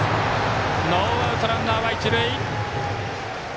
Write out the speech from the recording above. ノーアウト、ランナーは一塁。